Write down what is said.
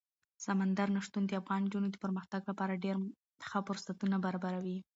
سمندر نه شتون د افغان نجونو د پرمختګ لپاره ډېر ښه فرصتونه برابروي.